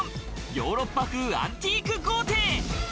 ヨーロッパ風アンティーク豪邸。